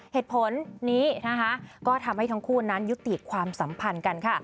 เหตุผลนี้นะคะก็ทำให้ทั้งคู่นั้นยุติความสัมพันธ์กันค่ะ